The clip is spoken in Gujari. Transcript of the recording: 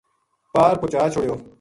پار پوہچا چھُڑیو تھو